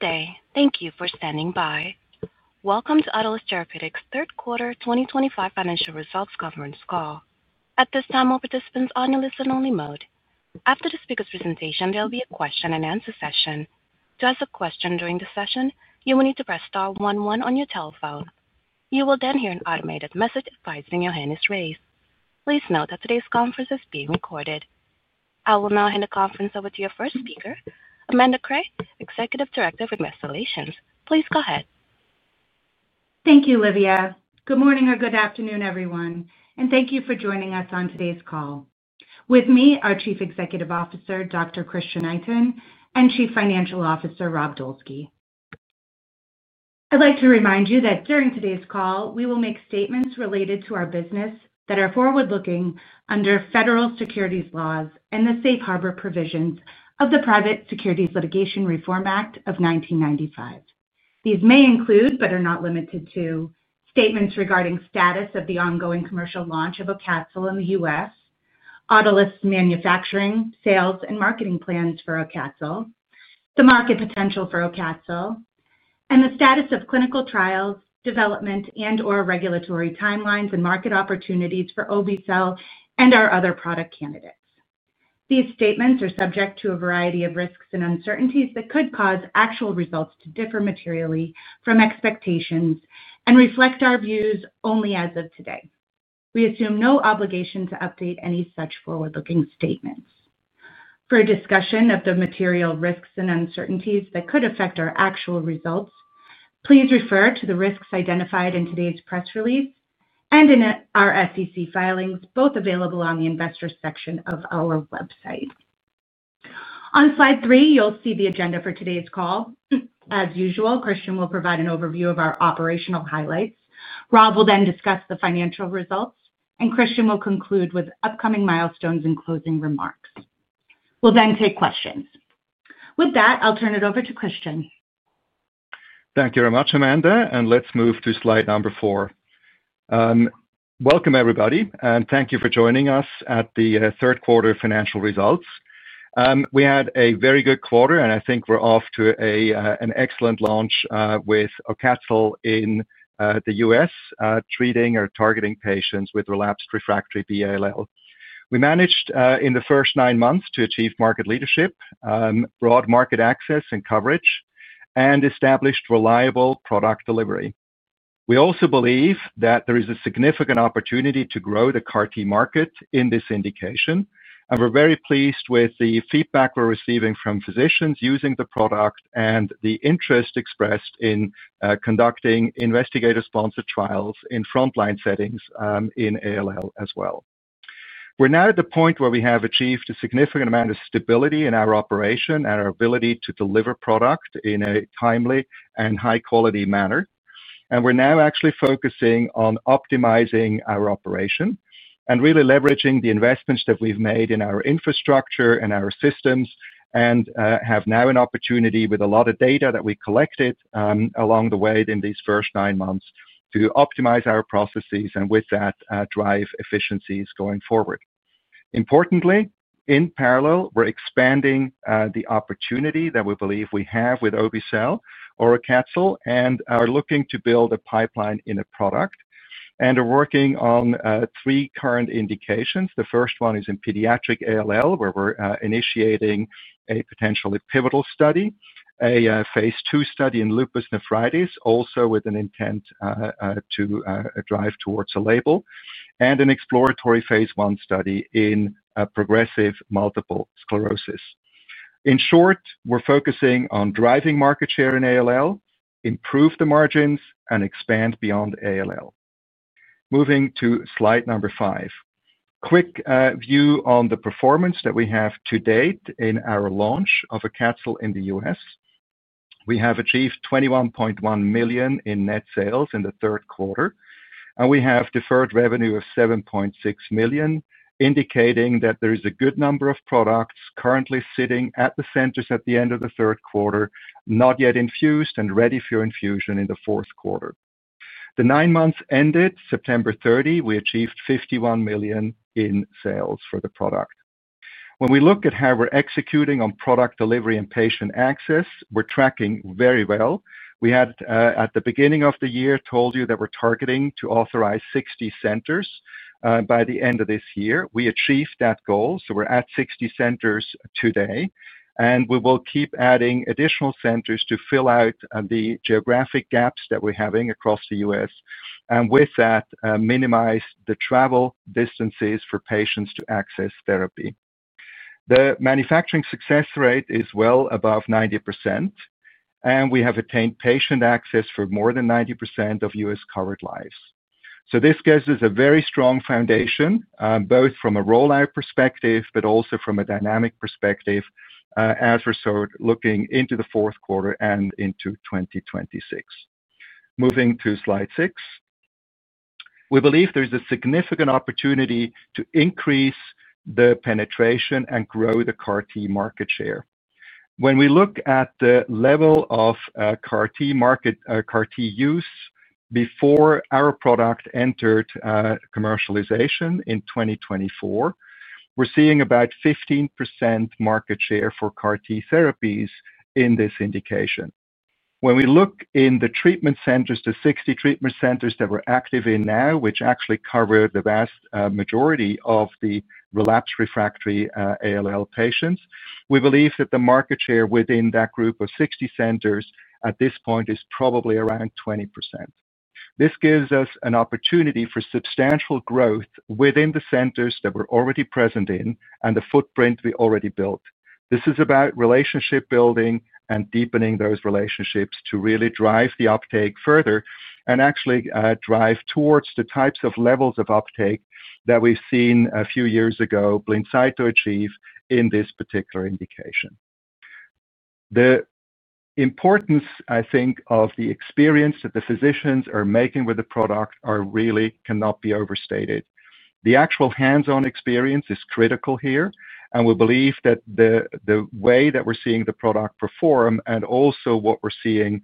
Thank you for standing by. Welcome to Autolus Therapeutics' third quarter 2025 financial results conference call. At this time, all participants are on a listen-only mode. After the speaker's presentation, there will be a question-and-answer session. To ask a question during the session, you will need to press star one one on your telephone. You will then hear an automated message advising your hand is raised. Please note that today's conference is being recorded. I will now hand the conference over to your first speaker, Amanda Cray, Executive Director for Investor Relations. Please go ahead. Thank you, Livia. Good morning or good afternoon, everyone, and thank you for joining us on today's call. With me are Chief Executive Officer Dr. Christian Itin and Chief Financial Officer Rob Dolski. I'd like to remind you that during today's call, we will make statements related to our business that are forward-looking under federal securities laws and the safe harbor provisions of the Private Securities Litigation Reform Act of 1995. These may include, but are not limited to, statements regarding the status of the ongoing commercial launch of AUCATZYL in the U.S., Autolus' manufacturing, sales, and marketing plans for AUCATZYL, the market potential for AUCATZYL, and the status of clinical trials, development, and/or regulatory timelines and market opportunities for obe-cel and our other product candidates. These statements are subject to a variety of risks and uncertainties that could cause actual results to differ materially from expectations and reflect our views only as of today. We assume no obligation to update any such forward-looking statements. For a discussion of the material risks and uncertainties that could affect our actual results, please refer to the risks identified in today's press release and in our SEC filings, both available on the investor section of our website. On slide three, you'll see the agenda for today's call. As usual, Christian will provide an overview of our operational highlights. Rob will then discuss the financial results, and Christian will conclude with upcoming milestones and closing remarks. We'll then take questions. With that, I'll turn it over to Christian. Thank you very much, Amanda, and let's move to slide number four. Welcome, everybody, and thank you for joining us at the third quarter financial results. We had a very good quarter, and I think we're off to an excellent launch with AUCATZYL in the U.S., treating or targeting patients with relapsed refractory B-ALL. We managed in the first nine months to achieve market leadership, broad market access and coverage, and established reliable product delivery. We also believe that there is a significant opportunity to grow the CAR-T market in this indication, and we're very pleased with the feedback we're receiving from physicians using the product and the interest expressed in conducting investigator-sponsored trials in frontline settings in ALL as well. We're now at the point where we have achieved a significant amount of stability in our operation and our ability to deliver product in a timely and high-quality manner, and we're now actually focusing on optimizing our operation and really leveraging the investments that we've made in our infrastructure and our systems and have now an opportunity with a lot of data that we collected along the way in these first nine months to optimize our processes and with that drive efficiencies going forward. Importantly, in parallel, we're expanding the opportunity that we believe we have with obe-cel or AUCATZYL and are looking to build a pipeline in a product and are working on three current indications. The first one is in pediatric ALL, where we're initiating a potentially pivotal study, a phase II study in lupus nephritis, also with an intent to drive towards a label, and an exploratory phase I study in progressive multiple sclerosis. In short, we're focusing on driving market share in ALL, improve the margins, and expand beyond ALL. Moving to slide number five, quick view on the performance that we have to date in our launch of AUCATZYL in the U.S. We have achieved $21.1 million in net sales in the third quarter, and we have deferred revenue of $7.6 million, indicating that there is a good number of products currently sitting at the centers at the end of the third quarter, not yet infused and ready for infusion in the fourth quarter. The nine months ended September 30, we achieved $51 million in sales for the product. When we look at how we're executing on product delivery and patient access, we're tracking very well. We had, at the beginning of the year, told you that we're targeting to authorize 60 centers by the end of this year. We achieved that goal, so we're at 60 centers today, and we will keep adding additional centers to fill out the geographic gaps that we're having across the U.S. and with that minimize the travel distances for patients to access therapy. The manufacturing success rate is well above 90%, and we have attained patient access for more than 90% of U.S. covered lives. This gives us a very strong foundation, both from a rollout perspective but also from a dynamic perspective as we're looking into the fourth quarter and into 2026. Moving to slide six, we believe there is a significant opportunity to increase the penetration and grow the CAR-T market share. When we look at the level of CAR-T market CAR-T use before our product entered commercialization in 2024, we're seeing about 15% market share for CAR-T therapies in this indication. When we look in the treatment centers, the 60 treatment centers that we're active in now, which actually cover the vast majority of the relapsed refractory ALL patients, we believe that the market share within that group of 60 centers at this point is probably around 20%. This gives us an opportunity for substantial growth within the centers that we're already present in and the footprint we already built. This is about relationship building and deepening those relationships to really drive the uptake further and actually drive towards the types of levels of uptake that we've seen a few years ago, blindside to achieve in this particular indication. The importance, I think, of the experience that the physicians are making with the product really cannot be overstated. The actual hands-on experience is critical here, and we believe that the way that we're seeing the product perform and also what we're seeing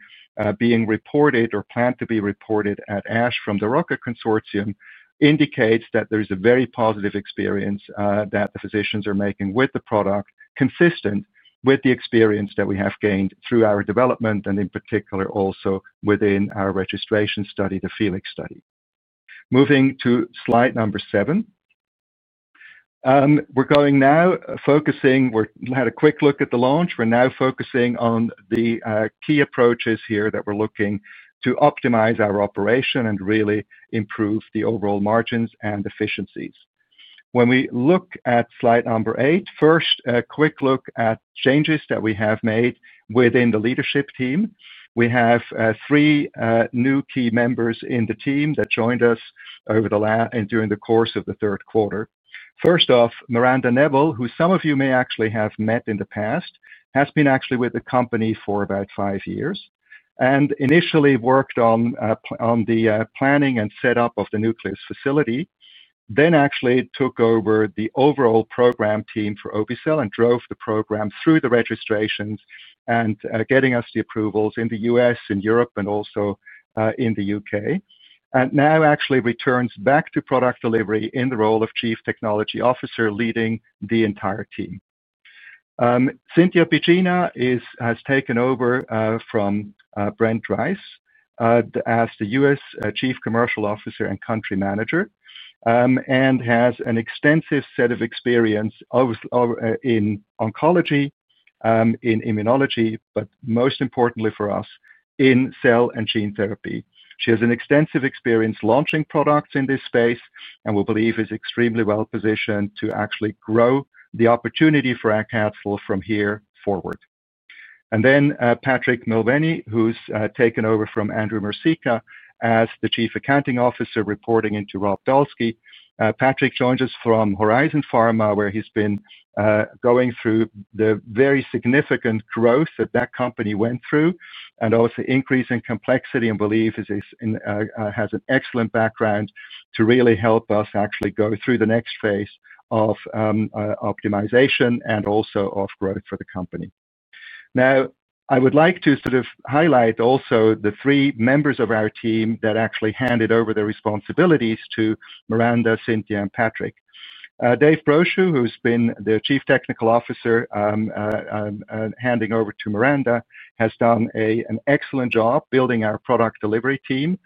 being reported or planned to be reported at ASH from the ROCCA Consortium indicates that there is a very positive experience that the physicians are making with the product, consistent with the experience that we have gained through our development and in particular also within our registration study, the FELIX study. Moving to slide number seven, we're going now focusing, we had a quick look at the launch. We're now focusing on the key approaches here that we're looking to optimize our operation and really improve the overall margins and efficiencies. When we look at slide number eight, first, a quick look at changes that we have made within the leadership team. We have three new key members in the team that joined us over the last and during the course of the third quarter. First off, Miranda Neville, who some of you may actually have met in the past, has been actually with the company for about five years and initially worked on the planning and setup of the Nucleus facility, then actually took over the overall program team for obe-cel and drove the program through the registrations and getting us the approvals in the U.S., in Europe, and also in the U.K., and now actually returns back to product delivery in the role of Chief Technology Officer, leading the entire team. Cintia Piccina has taken over from Brent Rice as the U.S. Chief Commercial Officer and Country Manager and has an extensive set of experience in oncology, in immunology, but most importantly for us, in cell and gene therapy. She has an extensive experience launching products in this space and we believe is extremely well positioned to actually grow the opportunity for AUCATZYL from here forward. Patrick McIlvenny, who's taken over from Andrew Mercieca as the Chief Accounting Officer, reporting into Rob Dolski. Patrick joins us from Horizon Pharma, where he's been going through the very significant growth that that company went through and also increasing complexity and believe has an excellent background to really help us actually go through the next phase of optimization and also of growth for the company. Now, I would like to sort of highlight also the three members of our team that actually handed over their responsibilities to Miranda, Cintia, and Patrick. Dave Brochu, who's been the Chief Technical Officer, handing over to Miranda, has done an excellent job building our product delivery team,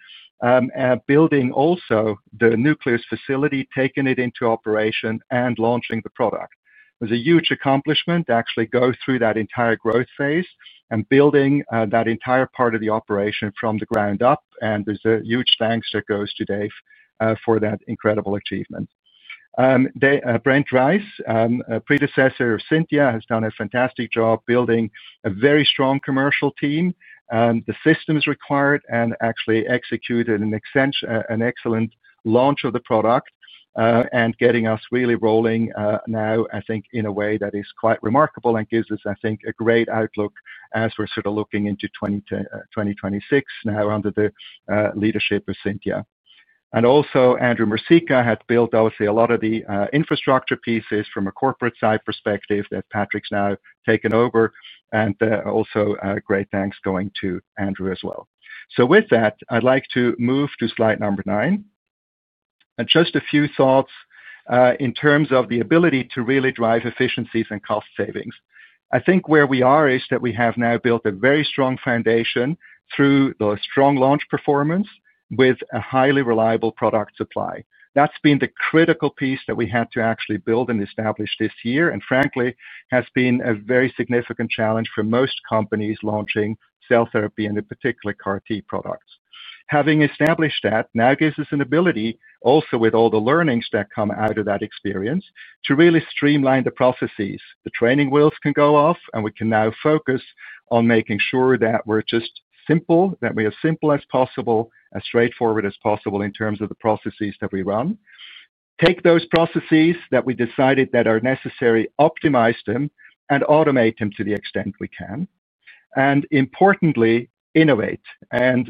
building also the nucleus facility, taking it into operation, and launching the product. It was a huge accomplishment to actually go through that entire growth phase and building that entire part of the operation from the ground up, and there's a huge thanks that goes to Dave for that incredible achievement. Brent Rice, predecessor of Cintia, has done a fantastic job building a very strong commercial team, the systems required, and actually executed an excellent launch of the product and getting us really rolling now, I think, in a way that is quite remarkable and gives us, I think, a great outlook as we're sort of looking into 2026 now under the leadership of Cintia. Andrew Mercieca had built, obviously, a lot of the infrastructure pieces from a corporate side perspective that Patrick's now taken over, and also great thanks going to Andrew as well. With that, I'd like to move to slide number nine and just a few thoughts in terms of the ability to really drive efficiencies and cost savings. I think where we are is that we have now built a very strong foundation through the strong launch performance with a highly reliable product supply. That's been the critical piece that we had to actually build and establish this year and, frankly, has been a very significant challenge for most companies launching cell therapy and in particular CAR-T products. Having established that now gives us an ability, also with all the learnings that come out of that experience, to really streamline the processes. The training wheels can go off, and we can now focus on making sure that we're just simple, that we are as simple as possible, as straightforward as possible in terms of the processes that we run. Take those processes that we decided that are necessary, optimize them, and automate them to the extent we can, and, importantly, innovate.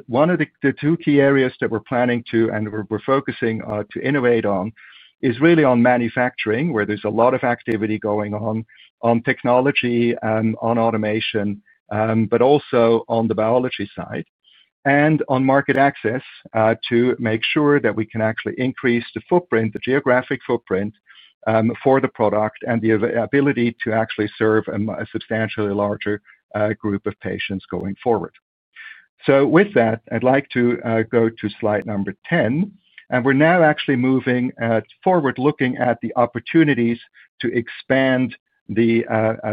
One of the two key areas that we're planning to and we're focusing on to innovate on is really on manufacturing, where there's a lot of activity going on, on technology, on automation, but also on the biology side and on market access to make sure that we can actually increase the footprint, the geographic footprint for the product and the ability to actually serve a substantially larger group of patients going forward. With that, I'd like to go to slide number 10, and we're now actually moving forward, looking at the opportunities to expand the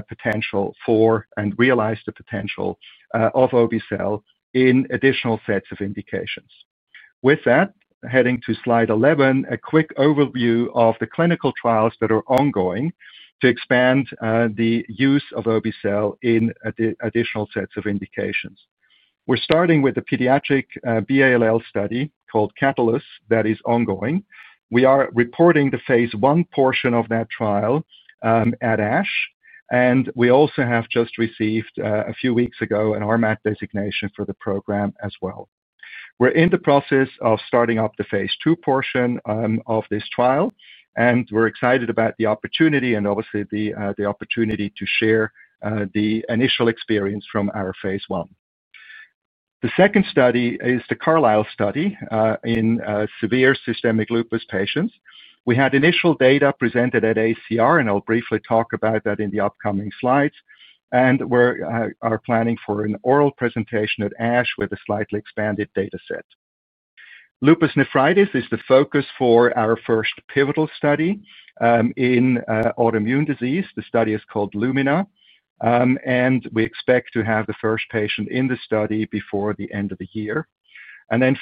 potential for and realize the potential of obe-cel in additional sets of indications. With that, heading to slide 11, a quick overview of the clinical trials that are ongoing to expand the use of obe-cel in additional sets of indications. We're starting with the pediatric B-ALL study called Catalyst that is ongoing. We are reporting the phase I portion of that trial at ASH, and we also have just received a few weeks ago an RMAT designation for the program as well. We're in the process of starting up the phase II portion of this trial, and we're excited about the opportunity and obviously the opportunity to share the initial experience from our phase I. The second study is the CARLYSLE study in severe systemic lupus patients. We had initial data presented at ACR, and I'll briefly talk about that in the upcoming slides, and we are planning for an oral presentation at ASH with a slightly expanded data set. Lupus nephritis is the focus for our first pivotal study in autoimmune disease. The study is called LUMINA, and we expect to have the first patient in the study before the end of the year.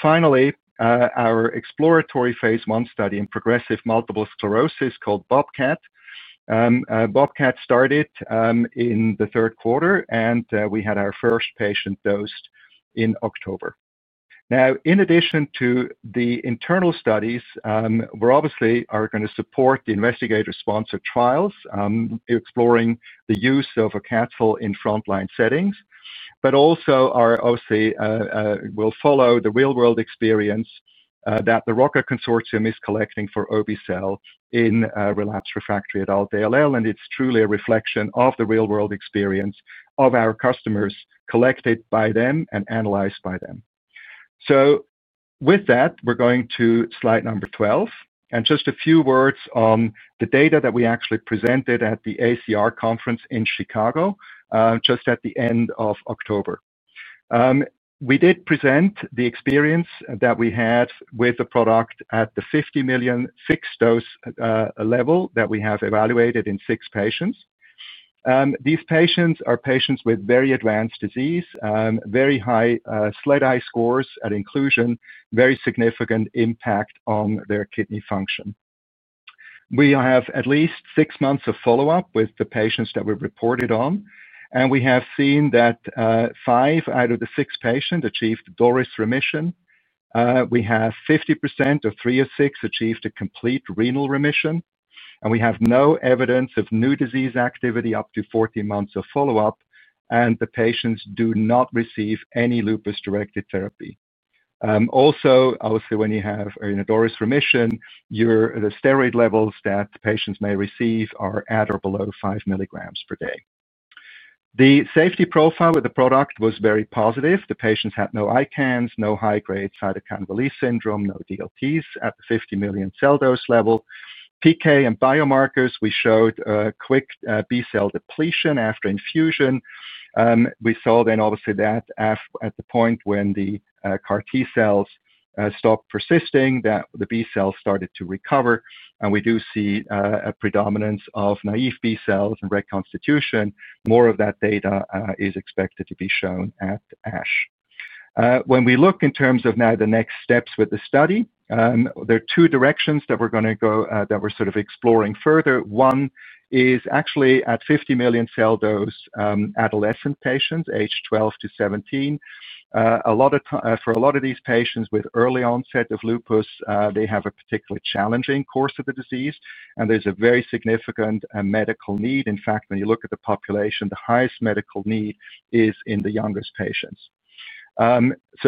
Finally, our exploratory phase I study in progressive multiple sclerosis called BOBCAT. BOBCAT started in the third quarter, and we had our first patient dosed in October. Now, in addition to the internal studies, we're obviously going to support the investigator-sponsored trials exploring the use of AUCATZYL in frontline settings, but also we obviously will follow the real-world experience that the ROCCA Consortium is collecting for obe-cel in relapsed refractory adult ALL, and it's truly a reflection of the real-world experience of our customers collected by them and analyzed by them. With that, we're going to slide number 12 and just a few words on the data that we actually presented at the ACR conference in Chicago just at the end of October. We did present the experience that we had with the product at the 50 million fixed dose level that we have evaluated in six patients. These patients are patients with very advanced disease, very high SLEDAI scores at inclusion, very significant impact on their kidney function. We have at least six months of follow-up with the patients that we've reported on, and we have seen that five out of the six patients achieved DORIS remission. We have 50% or three of six achieved a complete renal remission, and we have no evidence of new disease activity up to 14 months of follow-up, and the patients do not receive any lupus-directed therapy. Also, obviously, when you have DORIS remission, the steroid levels that patients may receive are at or below 5 mg per day. The safety profile with the product was very positive. The patients had no ICANS, no high-grade cytokine release syndrome, no DLTs at the 50 million cell dose level. PK and biomarkers, we showed quick B cell depletion after infusion. We saw then obviously that at the point when the CAR-T cells stopped persisting, that the B cells started to recover, and we do see a predominance of naive B cells and reconstitution. More of that data is expected to be shown at ASH. When we look in terms of now the next steps with the study, there are two directions that we're going to go that we're sort of exploring further. One is actually at 50 million cell dose adolescent patients, age 12-17. For a lot of these patients with early onset of lupus, they have a particularly challenging course of the disease, and there's a very significant medical need. In fact, when you look at the population, the highest medical need is in the youngest patients.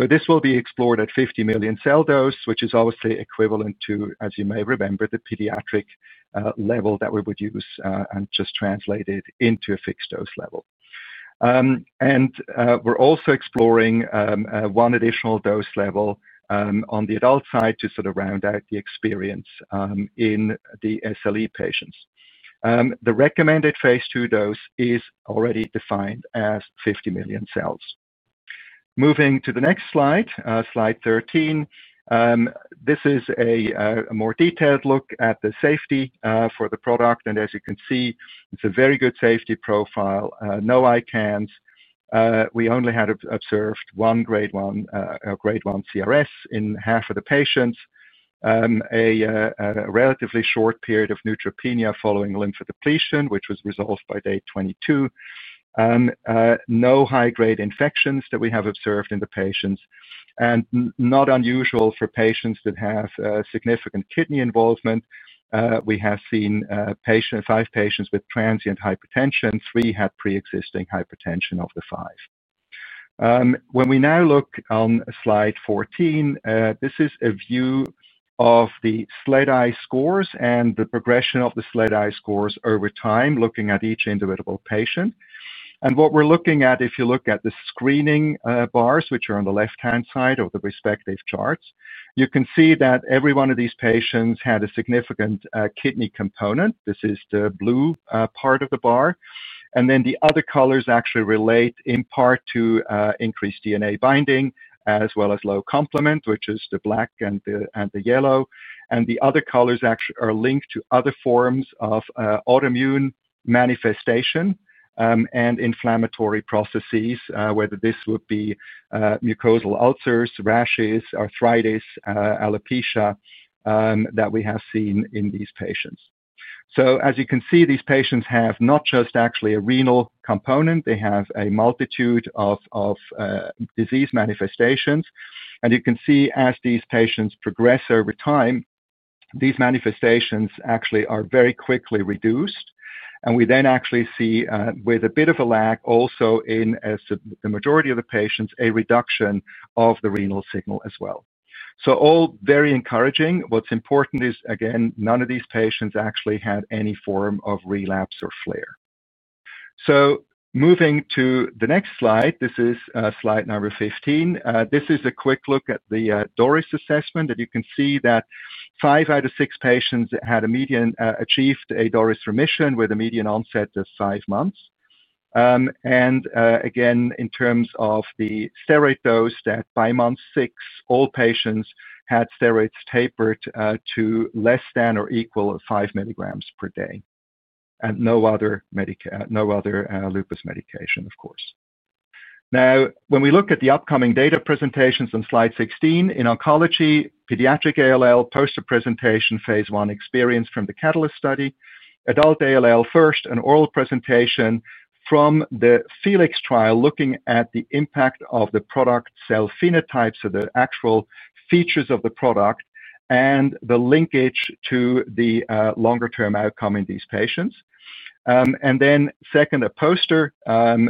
This will be explored at 50 million cell dose, which is obviously equivalent to, as you may remember, the pediatric level that we would use and just translate it into a fixed dose level. We're also exploring one additional dose level on the adult side to sort of round out the experience in the SLE patients. The recommended phase II dose is already defined as 50 million cells. Moving to the next slide, slide 13, this is a more detailed look at the safety for the product, and as you can see, it's a very good safety profile, no ICANS. We only had observed one grade 1 CRS in half of the patients, a relatively short period of neutropenia following lymphodepletion, which was resolved by day 22. No high-grade infections that we have observed in the patients, and not unusual for patients that have significant kidney involvement. We have seen five patients with transient hypertension. Three had pre-existing hypertension of the five. When we now look on slide 14, this is a view of the SLEDAI scores and the progression of the SLEDAI scores over time, looking at each individual patient. What we are looking at, if you look at the screening bars, which are on the left-hand side of the respective charts, you can see that every one of these patients had a significant kidney component. This is the blue part of the bar, and then the other colors actually relate in part to increased DNA binding as well as low complement, which is the black and the yellow. The other colors actually are linked to other forms of autoimmune manifestation and inflammatory processes, whether this would be mucosal ulcers, rashes, arthritis, alopecia that we have seen in these patients. As you can see, these patients have not just actually a renal component. They have a multitude of disease manifestations, and you can see as these patients progress over time, these manifestations actually are very quickly reduced, and we then actually see with a bit of a lag also in the majority of the patients, a reduction of the renal signal as well. All very encouraging. What's important is, again, none of these patients actually had any form of relapse or flare. Moving to the next slide, this is slide number 15. This is a quick look at the DORIS assessment, and you can see that five out of six patients had achieved a DORIS remission with a median onset of five months. Again, in terms of the steroid dose, by month six, all patients had steroids tapered to less than or equal to 5 mg per day and no other lupus medication, of course. Now, when we look at the upcoming data presentations on slide 16, in oncology, pediatric ALL, poster presentation, phase I experience from the Catalyst study, adult ALL first, an oral presentation from the FELIX study looking at the impact of the product cell phenotypes, so the actual features of the product and the linkage to the longer-term outcome in these patients. Then, a poster,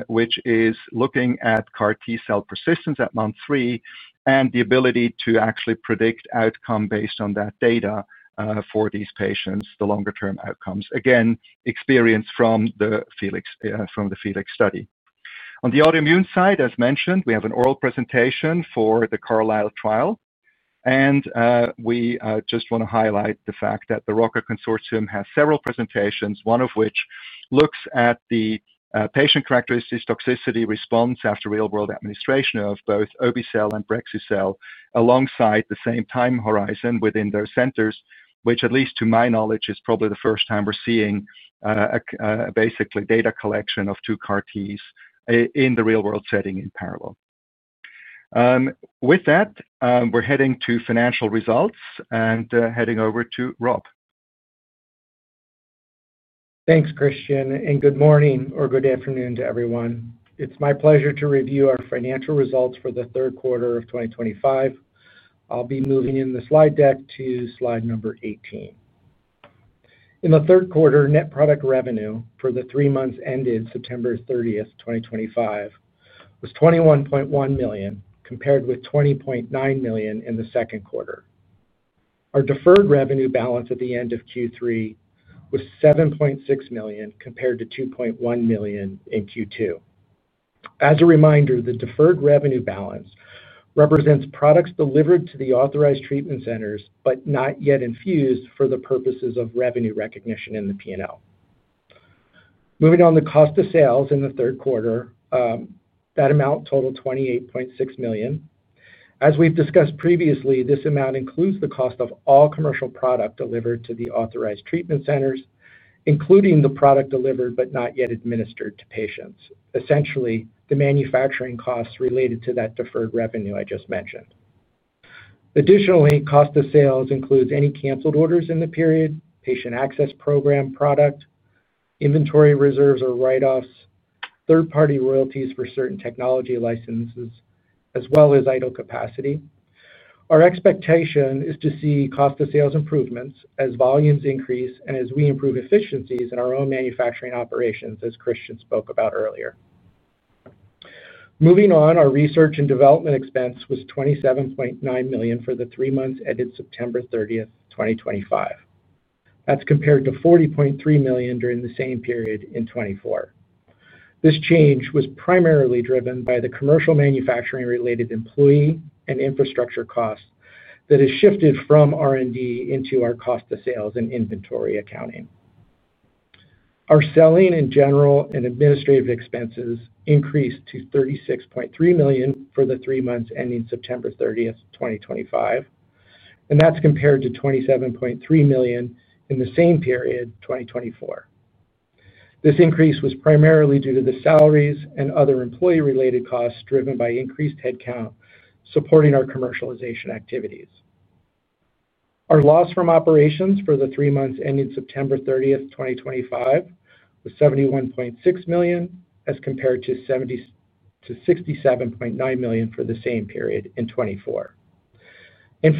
which is looking at CAR-T cell persistence at month three and the ability to actually predict outcome based on that data for these patients, the longer-term outcomes. Again, experience from the FELIX study. On the autoimmune side, as mentioned, we have an oral presentation for the CARLYSLE trial, and we just want to highlight the fact that the ROCCA Consortium has several presentations, one of which looks at the patient characteristics, toxicity response after real-world administration of both obe-cel and brexu-cel alongside the same time horizon within their centers, which at least to my knowledge is probably the first time we're seeing basically data collection of two CAR-Ts in the real-world setting in parallel. With that, we're heading to financial results and heading over to Rob. Thanks, Christian, and good morning or good afternoon to everyone. It's my pleasure to review our financial results for the third quarter of 2025. I'll be moving in the slide deck to slide number 18. In the third quarter, net product revenue for the three months ended September 30th, 2025, was $21.1 million compared with $20.9 million in the second quarter. Our deferred revenue balance at the end of Q3 was $7.6 million compared to $2.1 million in Q2. As a reminder, the deferred revenue balance represents products delivered to the authorized treatment centers but not yet infused for the purposes of revenue recognition in the P&L. Moving on to cost of sales in the third quarter, that amount totaled $28.6 million. As we've discussed previously, this amount includes the cost of all commercial product delivered to the authorized treatment centers, including the product delivered but not yet administered to patients, essentially the manufacturing costs related to that deferred revenue I just mentioned. Additionally, cost of sales includes any canceled orders in the period, patient access program product, inventory reserves or write-offs, third-party royalties for certain technology licenses, as well as idle capacity. Our expectation is to see cost of sales improvements as volumes increase and as we improve efficiencies in our own manufacturing operations, as Christian spoke about earlier. Moving on, our research and development expense was $27.9 million for the three months ended September 30th, 2025. That's compared to $40.3 million during the same period in 2024. This change was primarily driven by the commercial manufacturing-related employee and infrastructure costs that has shifted from R&D into our cost of sales and inventory accounting. Our selling, general, and administrative expenses increased to $36.3 million for the three months ending September 30th, 2025, and that's compared to $27.3 million in the same period, 2024. This increase was primarily due to the salaries and other employee-related costs driven by increased headcount supporting our commercialization activities. Our loss from operations for the three months ending September 30th, 2025, was $71.6 million as compared to $67.9 million for the same period in 2024.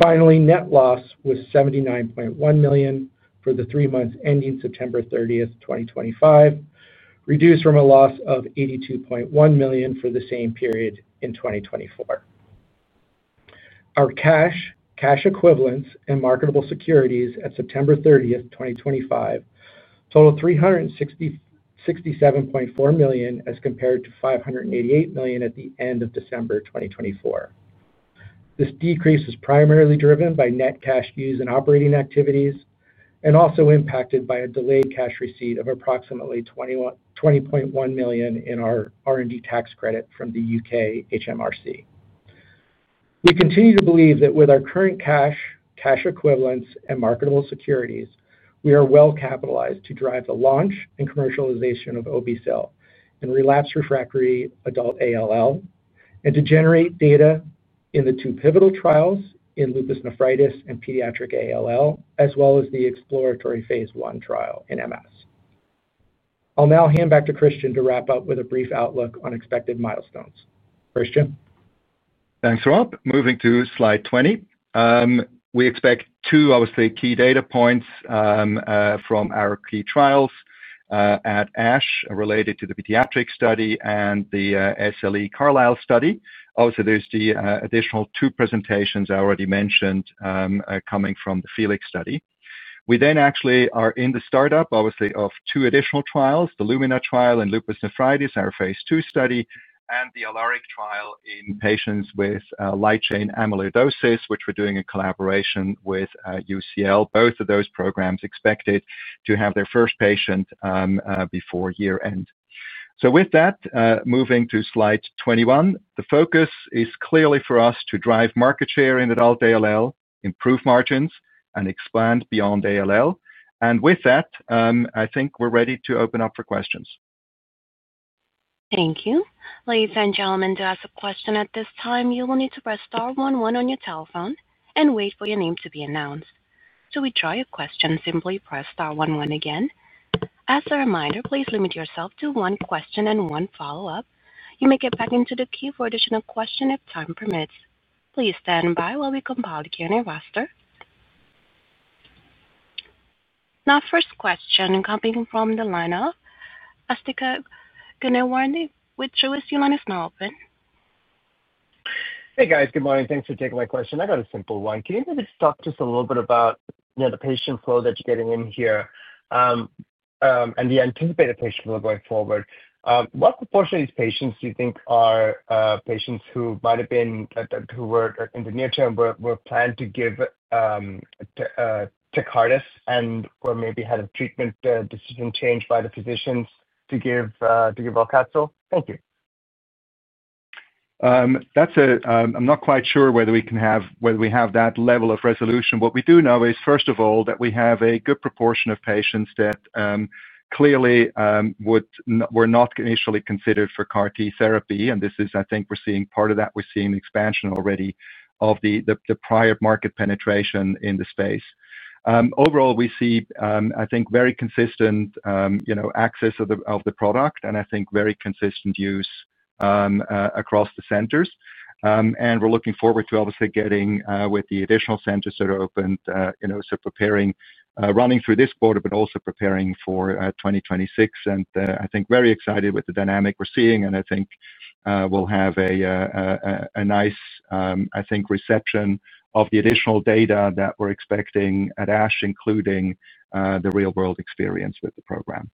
Finally, net loss was $79.1 million for the three months ending September 30th, 2025, reduced from a loss of $82.1 million for the same period in 2024. Our cash, cash equivalents, and marketable securities at September 30th, 2025 totaled $367.4 million as compared to $588 million at the end of December 2024. This decrease is primarily driven by net cash used in operating activities and also impacted by a delayed cash receipt of approximately $20.1 million in our R&D tax credit from the UK HMRC. We continue to believe that with our current cash, cash equivalents, and marketable securities, we are well capitalized to drive the launch and commercialization of AUCATZYL in relapsed refractory adult ALL and to generate data in the two pivotal trials in lupus nephritis and pediatric ALL, as well as the exploratory phase I trial in progressive multiple sclerosis. I'll now hand back to Christian to wrap up with a brief outlook on expected milestones. Christian. Thanks, Rob. Moving to slide 20, we expect two, obviously, key data points from our key trials at ASH related to the pediatric study and the SLE CARLYSLE study. Obviously, there's the additional two presentations I already mentioned coming from the FELIX study. We then actually are in the startup, obviously, of two additional trials, the LUMINA trial in lupus nephritis, our phase II study, and the ALARIC trial in patients with light chain amyloidosis, which we're doing in collaboration with UCL. Both of those programs expected to have their first patient before year-end. With that, moving to slide 21, the focus is clearly for us to drive market share in adult ALL, improve margins, and expand beyond ALL. With that, I think we're ready to open up for questions. Thank you. Ladies and gentlemen, to ask a question at this time, you will need to press star one one on your telephone and wait for your name to be announced. To withdraw your question, simply press star one one again. As a reminder, please limit yourself to one question and one follow-up. You may get back into the queue for additional questions if time permits. Please stand by while we compile the Q&A roster. Now, first question coming from the lineup. Asthika Goonewardene, your line is now open. Hey, guys. Good morning. Thanks for taking my question. I got a simple one. Can you maybe talk just a little bit about the patient flow that you're getting in here and the anticipated patient flow going forward? What proportion of these patients do you think are patients who might have been who were in the near term were planned to give to CAR-Ts and were maybe had a treatment decision changed by the physicians to give AUCATZYL? Thank you. I'm not quite sure whether we have that level of resolution. What we do know is, first of all, that we have a good proportion of patients that clearly were not initially considered for CAR-T therapy, and this is, I think, we're seeing part of that. We're seeing expansion already of the prior market penetration in the space. Overall, we see, I think, very consistent access of the product and, I think, very consistent use across the centers. We are looking forward to, obviously, getting with the additional centers that are opened, running through this quarter, but also preparing for 2026. I think very excited with the dynamic we're seeing, and I think we'll have a nice, I think, reception of the additional data that we're expecting at ASH, including the real-world experience with the program.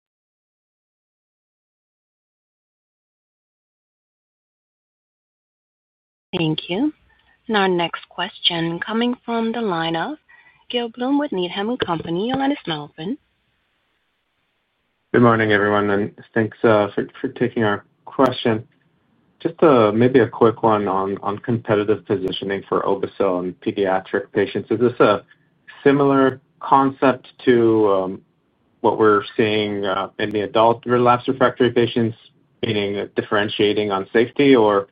Thank you. Now, next question coming from the lineup, Gil Blum with Needham & Company, your line is now open. Good morning, everyone, and thanks for taking our question. Just maybe a quick one on competitive positioning for obe-cel and pediatric patients. Is this a similar concept to what we're seeing in the adult relapsed refractory patients, meaning differentiating on safety, or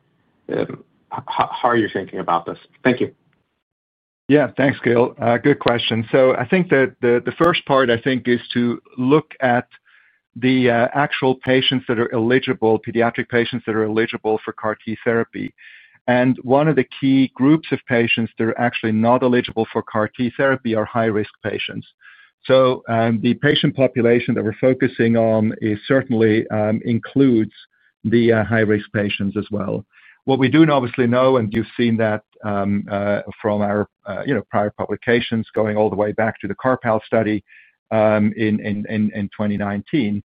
how are you thinking about this? Thank you. Yeah, thanks, Gil. Good question. So I think that the first part, I think, is to look at the actual patients that are eligible, pediatric patients that are eligible for CAR-T therapy. And one of the key groups of patients that are actually not eligible for CAR-T therapy are high-risk patients. So the patient population that we're focusing on certainly includes the high-risk patients as well. What we do know, obviously, and you've seen that from our prior publications going all the way back to the CARPALL study in 2019, is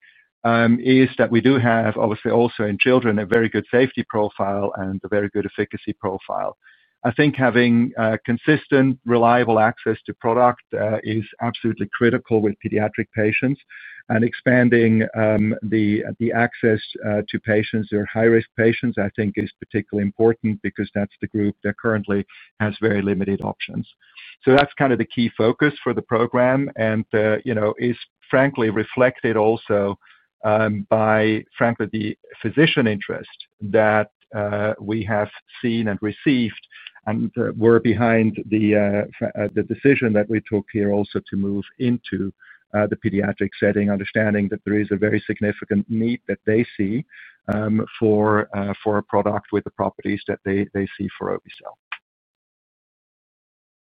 that we do have, obviously, also in children, a very good safety profile and a very good efficacy profile. I think having consistent, reliable access to product is absolutely critical with pediatric patients, and expanding the access to patients that are high-risk patients, I think, is particularly important because that's the group that currently has very limited options. So that's kind of the key focus for the program and is, frankly, reflected also by, frankly, the physician interest that we have seen and received and were behind the decision that we took here also to move into the pediatric setting, understanding that there is a very significant need that they see for a product with the properties that they see for obe-cel.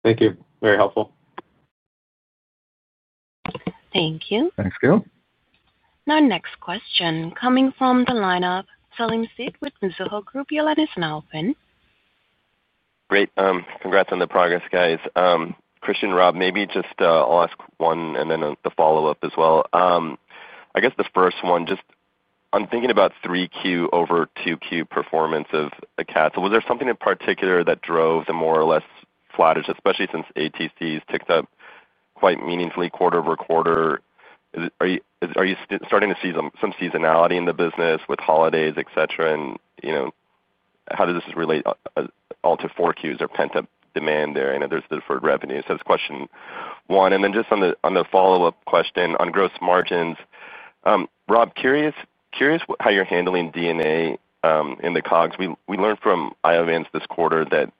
Thank you. Very helpful. Thank you. Thanks, Gil. Now, next question coming from the lineup, Salim Syed with Mizuho Group, your line is now open. Great. Congrats on the progress, guys. Christian, Rob, maybe just I'll ask one and then the follow-up as well. I guess the first one, just I'm thinking about 3Q over 2Q performance of the CATs. Was there something in particular that drove the more or less flattish, especially since ATCs ticked up quite meaningfully quarter over quarter? Are you starting to see some seasonality in the business with holidays, etc.? And how does this relate all to 4Qs or pent-up demand there? There's deferred revenue. So that's question one. And then just on the follow-up question on gross margins, Rob, curious how you're handling DNA in the COGS. We learned from Iovance this quarter that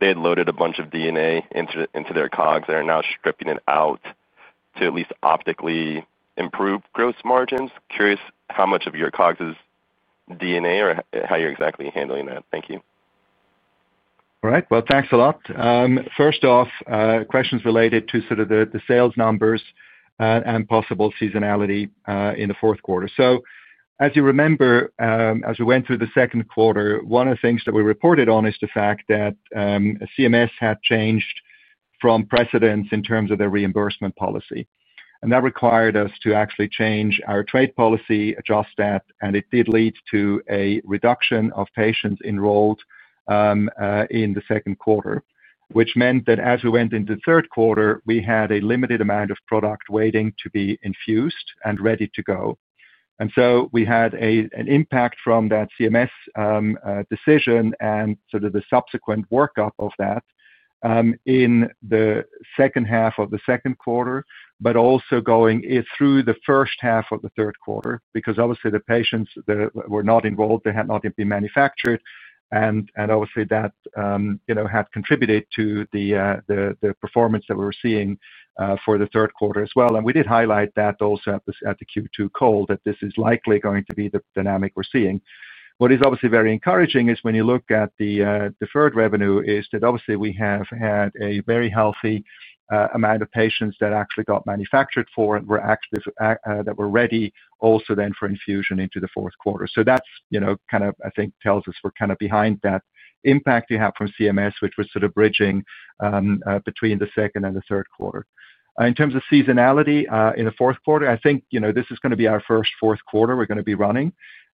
they had loaded a bunch of DNA into their COGS and are now stripping it out to at least optically improve gross margins. Curious how much of your COGS is DNA or how you're exactly handling that. Thank you. All right. Well, thanks a lot. First off, questions related to sort of the sales numbers and possible seasonality in the fourth quarter. So as you remember, as we went through the second quarter, one of the things that we reported on is the fact that CMS had changed from precedence in terms of their reimbursement policy. And that required us to actually change our trade policy, adjust that, and it did lead to a reduction of patients enrolled in the second quarter, which meant that as we went into the third quarter, we had a limited amount of product waiting to be infused and ready to go. And so we had an impact from that CMS decision and sort of the subsequent workup of that in the second half of the second quarter, but also going through the first half of the third quarter because, obviously, the patients were not enrolled. They had not yet been manufactured. And obviously, that had contributed to the performance that we were seeing for the third quarter as well. And we did highlight that also at the Q2 call that this is likely going to be the dynamic we're seeing. What is obviously very encouraging is when you look at the deferred revenue, is that obviously we have had a very healthy amount of patients that actually got manufactured for and were ready also then for infusion into the fourth quarter. So that kind of, I think, tells us we're kind of behind that impact you have from CMS, which was sort of bridging between the second and the third quarter. In terms of seasonality in the fourth quarter, I think this is going to be our first fourth quarter we're going to be running.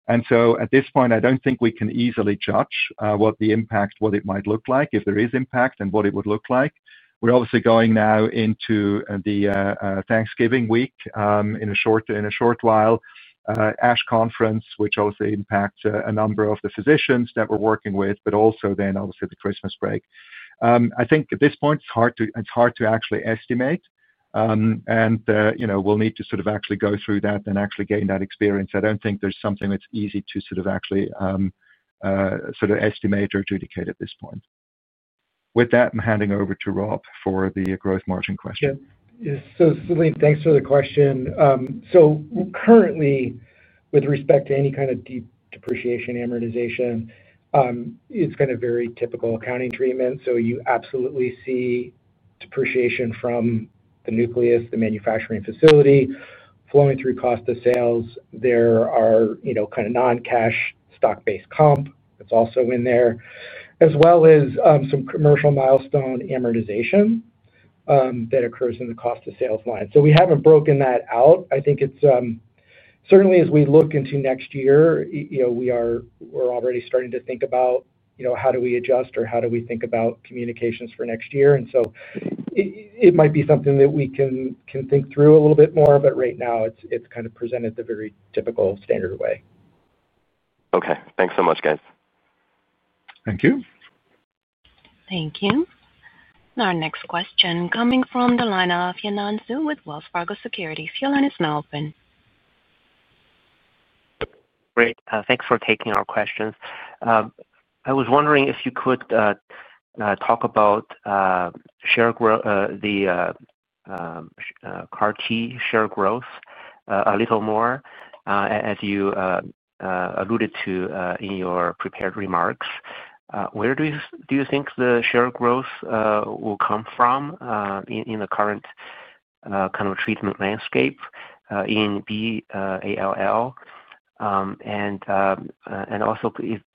And so at this point, I don't think we can easily judge what the impact, what it might look like, if there is impact, and what it would look like. We're obviously going now into the Thanksgiving week in a short while. ASH conference, which obviously impacts a number of the physicians that we're working with, but also then, obviously, the Christmas break. I think at this point, it's hard to actually estimate, and we'll need to sort of actually go through that and actually gain that experience. I don't think there's something that's easy to sort of actually sort of estimate or adjudicate at this point. With that, I'm handing over to Rob for the gross margin question. Yeah. So Salim, thanks for the question. So currently, with respect to any kind of deep depreciation amortization, it's kind of very typical accounting treatment. So you absolutely see depreciation from the nucleus, the manufacturing facility, flowing through cost of sales. There are kind of non-cash stock-based comp that's also in there, as well as some commercial milestone amortization that occurs in the cost of sales line. So we haven't broken that out. I think certainly, as we look into next year, we're already starting to think about how do we adjust or how do we think about communications for next year. And so it might be something that we can think through a little bit more, but right now, it's kind of presented the very typical standard way. Okay. Thanks so much, guys. Thank you. Thank you. Now, next question coming from the lineup, Yanan Zhu with Wells Fargo Securities, your line is now open. Great. Thanks for taking our questions. I was wondering if you could talk about the CAR-T share growth a little more. As you alluded to in your prepared remarks, where do you think the share growth will come from in the current kind of treatment landscape in B-ALL? And also,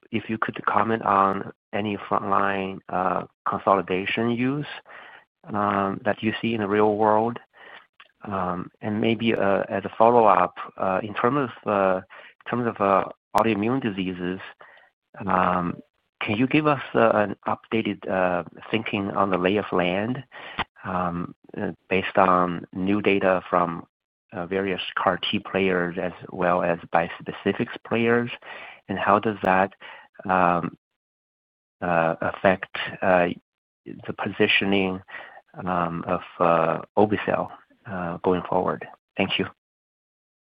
if you could comment on any frontline consolidation use that you see in the real world. And maybe as a follow-up, in terms of autoimmune diseases, can you give us an updated thinking on the lay of land based on new data from various CAR-T players as well as bispecific players, and how does that affect the positioning of obe-cel going forward? Thank you.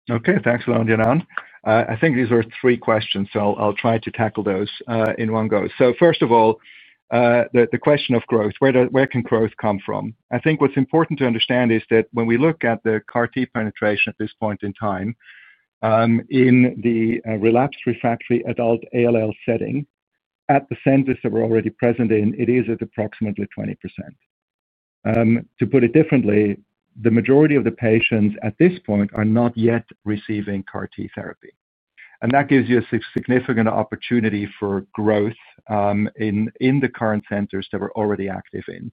Okay. Thanks, Yanan. I think these were three questions, so I'll try to tackle those in one go. So first of all, the question of growth, where can growth come from? I think what's important to understand is that when we look at the CAR-T penetration at this point in time in the relapsed refractory adult ALL setting, at the centers that we're already present in, it is at approximately 20%. To put it differently, the majority of the patients at this point are not yet receiving CAR-T therapy. And that gives you a significant opportunity for growth in the current centers that we're already active in.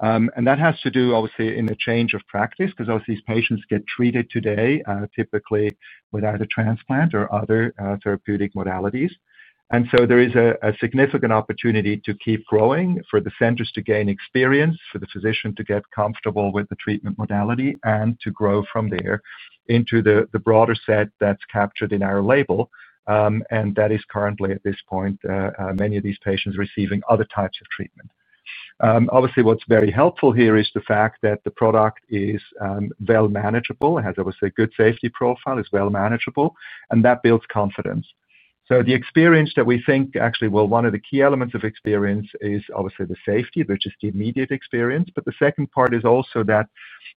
And that has to do, obviously, in a change of practice because, obviously, these patients get treated today typically without a transplant or other therapeutic modalities. And so there is a significant opportunity to keep growing for the centers to gain experience, for the physician to get comfortable with the treatment modality, and to grow from there into the broader set that's captured in our label. And that is currently, at this point, many of these patients receiving other types of treatment. Obviously, what's very helpful here is the fact that the product is well manageable, has obviously a good safety profile, is well manageable, and that builds confidence. So the experience that we think actually, well, one of the key elements of experience is obviously the safety, which is the immediate experience. But the second part is also that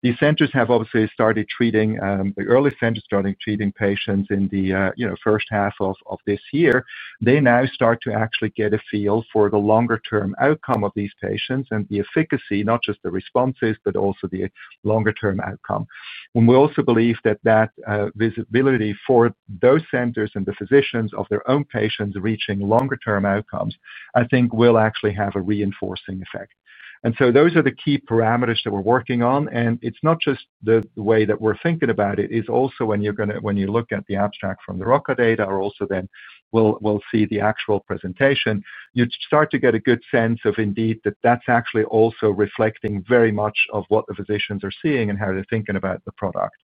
these centers have obviously started treating the early centers starting treating patients in the first half of this year. They now start to actually get a feel for the longer-term outcome of these patients and the efficacy, not just the responses, but also the longer-term outcome. And we also believe that that visibility for those centers and the physicians of their own patients reaching longer-term outcomes, I think, will actually have a reinforcing effect. And so those are the key parameters that we're working on. And it's not just the way that we're thinking about it. It's also when you look at the abstract from the ROCCA data or also then we'll see the actual presentation, you start to get a good sense of, indeed, that that's actually also reflecting very much of what the physicians are seeing and how they're thinking about the product.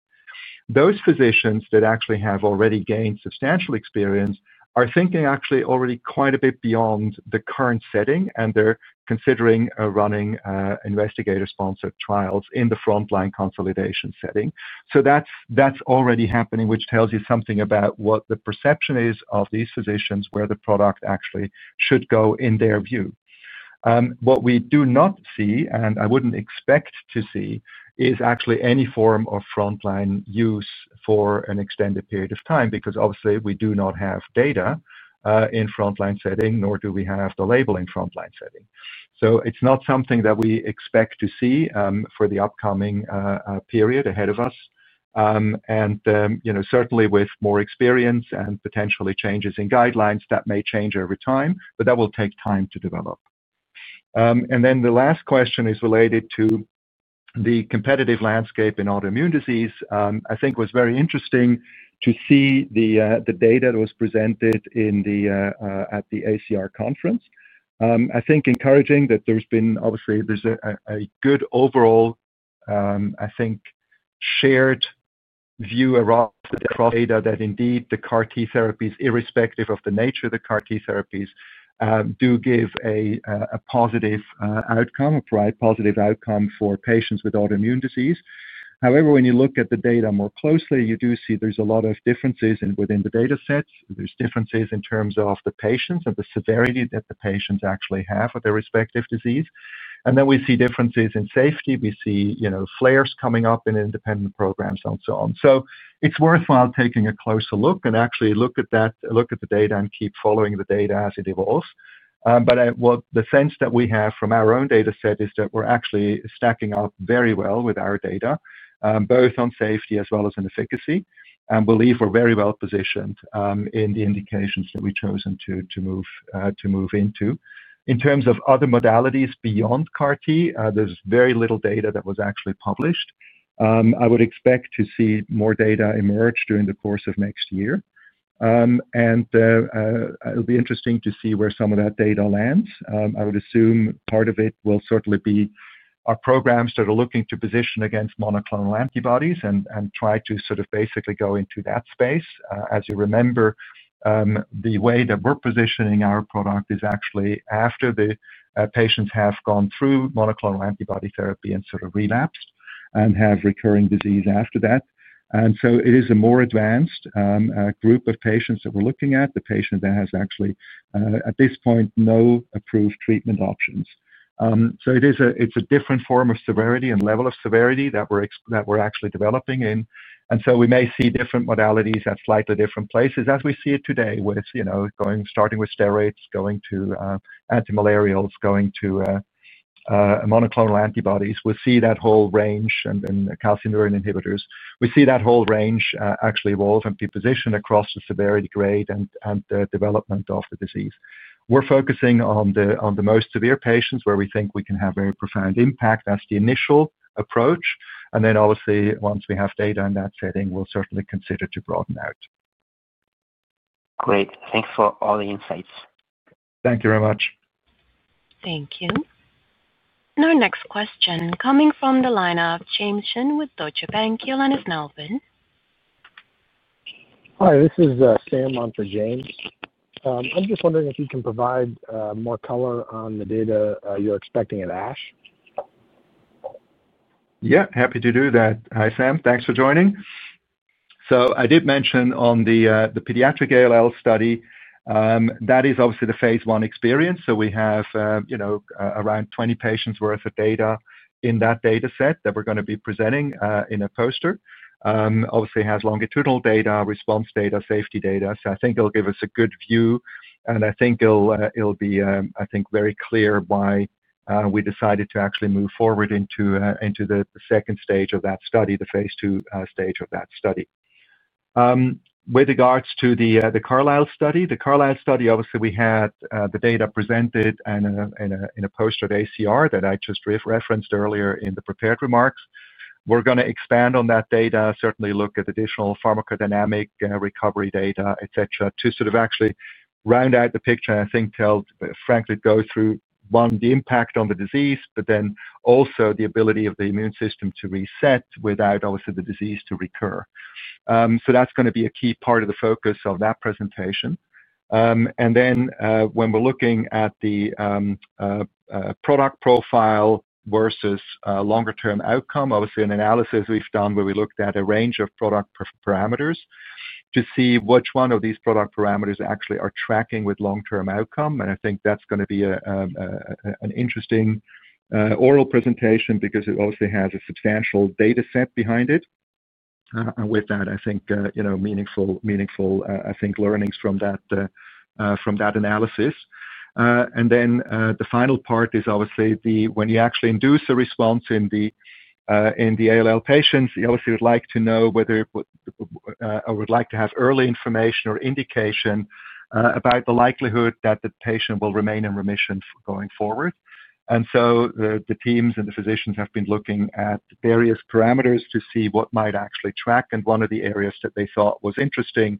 Those physicians that actually have already gained substantial experience are thinking actually already quite a bit beyond the current setting, and they're considering running investigator-sponsored trials in the frontline consolidation setting. That's already happening, which tells you something about what the perception is of these physicians, where the product actually should go in their view. What we do not see, and I wouldn't expect to see, is actually any form of frontline use for an extended period of time because, obviously, we do not have data in frontline setting, nor do we have the label in frontline setting. It's not something that we expect to see for the upcoming period ahead of us. Certainly, with more experience and potentially changes in guidelines, that may change over time, but that will take time to develop. The last question is related to the competitive landscape in autoimmune disease. I think it was very interesting to see the data that was presented at the ACR conference. I think encouraging that there's been, obviously, there's a good overall, I think, shared view across the data that indeed the CAR-T therapies, irrespective of the nature of the CAR-T therapies, do give a positive outcome, a positive outcome for patients with autoimmune disease. However, when you look at the data more closely, you do see there's a lot of differences within the data sets. There's differences in terms of the patients and the severity that the patients actually have with their respective disease. We see differences in safety. We see flares coming up in independent programs and so on. So it's worthwhile taking a closer look and actually look at the data and keep following the data as it evolves. But the sense that we have from our own data set is that we're actually stacking up very well with our data, both on safety as well as on efficacy. And we'll leave we're very well positioned in the indications that we've chosen to move into. In terms of other modalities beyond CAR-T, there's very little data that was actually published. I would expect to see more data emerge during the course of next year. And it'll be interesting to see where some of that data lands. I would assume part of it will certainly be our programs that are looking to position against monoclonal antibodies and try to sort of basically go into that space. As you remember, the way that we're positioning our product is actually after the patients have gone through monoclonal antibody therapy and sort of relapsed and have recurring disease after that. And so it is a more advanced group of patients that we're looking at, the patient that has actually, at this point, no approved treatment options. So it's a different form of severity and level of severity that we're actually developing in. And so we may see different modalities at slightly different places. As we see it today with starting with steroids, going to antimalarials, going to monoclonal antibodies, we'll see that whole range. And calcium urine inhibitors, we see that whole range actually evolve and be positioned across the severity grade and development of the disease. We're focusing on the most severe patients where we think we can have a very profound impact. That's the initial approach. And then, obviously, once we have data in that setting, we'll certainly consider to broaden out. Great. Thanks for all the insights. Thank you very much. Thank you. Now, next question coming from the lineup, James Shin with Deutsche Bank, your line is now open. Hi. This is Sam on for James. I'm just wondering if you can provide more color on the data you're expecting at ASH. Yeah. Happy to do that. Hi, Sam. Thanks for joining. So I did mention on the pediatric ALL study, that is obviously the phase I experience. So we have around 20 patients' worth of data in that data set that we're going to be presenting in a poster. Obviously, it has longitudinal data, response data, safety data. So I think it'll give us a good view. And I think it'll be, I think, very clear why we decided to actually move forward into the second stage of that study, the phase II stage of that study. With regards to the CARLYSLE study, the CARLYSLE study, obviously, we had the data presented in a poster at ACR that I just referenced earlier in the prepared remarks. We're going to expand on that data, certainly look at additional pharmacodynamic recovery data, etc., to sort of actually round out the picture and, I think, frankly, go through one, the impact on the disease, but then also the ability of the immune system to reset without, obviously, the disease to recur. That's going to be a key part of the focus of that presentation. When we're looking at the product profile versus longer-term outcome, obviously, an analysis we've done where we looked at a range of product parameters to see which one of these product parameters actually are tracking with long-term outcome. I think that's going to be an interesting oral presentation because it obviously has a substantial data set behind it. With that, I think meaningful, I think, learnings from that analysis. And then the final part is, obviously, when you actually induce a response in the ALL patients, you obviously would like to know whether or would like to have early information or indication about the likelihood that the patient will remain in remission going forward. And so the teams and the physicians have been looking at various parameters to see what might actually track. And one of the areas that they thought was interesting